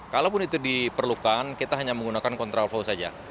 kalaupun itu diperlukan kita hanya menggunakan kontraflow saja